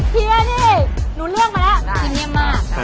เฮียดร์นี่หนูเลือกมาแล้ว